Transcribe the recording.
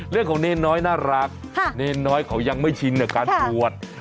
เรื่องของเน้นน้อยน่ารักณ้น้อยเขายังไม่ชินกับการปวด